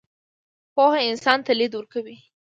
پوهه انسان ته لید ورکوي.